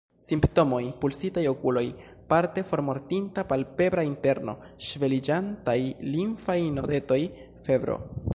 Simptomoj:Pulsitaj okuloj, parte formortinta palpebra interno, ŝveliĝantaj limfaj nodetoj, febro.